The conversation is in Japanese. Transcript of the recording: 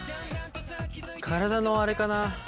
体のあれかな。